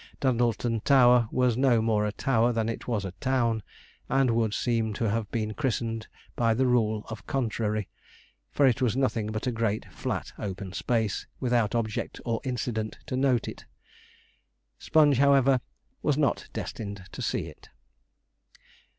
Dundleton Tower was no more a tower than it was a town, and would seem to have been christened by the rule of contrary, for it was nothing but a great flat open space, without object or incident to note it. Sponge, however, was not destined to see it.